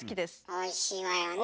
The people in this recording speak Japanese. おいしいわよね。